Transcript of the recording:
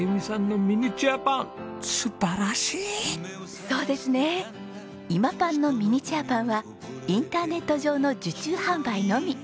「ｉｍａｐａｎ」のミニチュアパンはインターネット上の受注販売のみ。